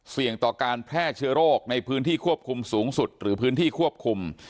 ต่อการแพร่เชื้อโรคในพื้นที่ควบคุมสูงสุดหรือพื้นที่ควบคุม